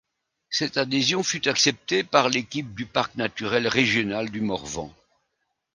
Cette adhésion fut acceptée par l'équipe du parc naturel régional du Morvan.